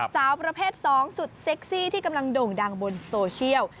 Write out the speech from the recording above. สาวประเภท๒สุดเซ็กซี่ที่กำลังโด่งดังบนโซเชียล